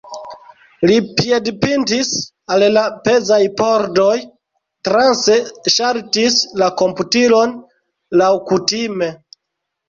Li piedpintis al la pezaj pordoj, transe ŝaltis la komputilon laŭkutime.